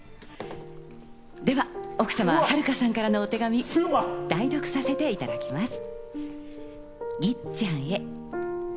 では奥様、春果さんからのお手紙、代読させていただきます。